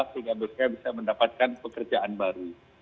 sehingga mereka bisa mendapatkan pekerjaan baru